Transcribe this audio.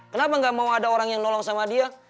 kenapa tidak mau ada orang yang menolong kepada dia